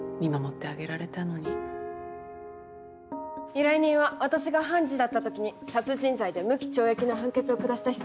依頼人は私が判事だった時に殺人罪で無期懲役の判決を下した被告人なの。